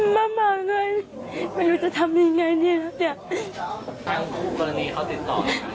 มากมากเลยไม่รู้จะทำยังไงนี่แล้วเนี่ย